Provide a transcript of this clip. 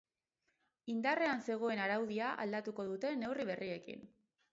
Indarrean zegoen araudia aldatuko dute neurri berriekin.